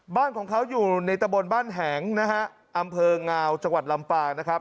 บ้านของเขาอยู่ในตะบนบ้านแหงนะฮะอำเภองาวจังหวัดลำปางนะครับ